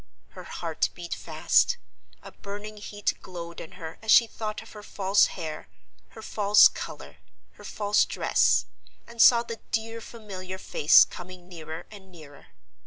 Her heart beat fast; a burning heat glowed in her as she thought of her false hair, her false color, her false dress, and saw the dear familiar face coming nearer and nearer.